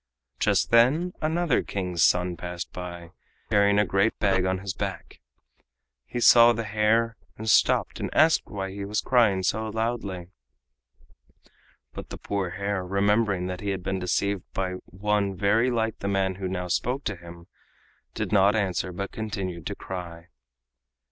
Just then another King's son passed by, carrying a great bag on his back. He saw the hare, and stopped and asked why he was crying so loudly. But the poor hare, remembering that he had been deceived by one very like the man who now spoke to him, did not answer, but continued to cry.